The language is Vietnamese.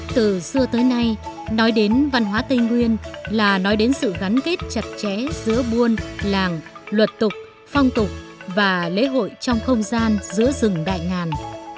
từ xưa tới nay nói đến văn hóa tây nguyên là nói đến sự gắn kết chặt chẽ giữa buôn làng luật tục phong tục và lễ hội trong không gian giữa rừng đại ngàn